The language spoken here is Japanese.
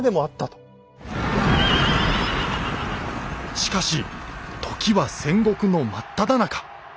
しかし時は戦国のまっただ中。